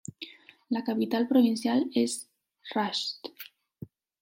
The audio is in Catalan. La capital provincial és Rasht.